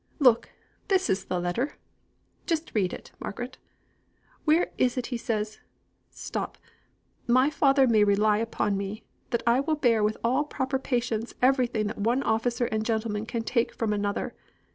Look! this is the letter. Just read it, Margaret. Where is it he says Stop 'my father may rely upon me, that I will bear with all proper patience everything that one officer and gentleman can take from another.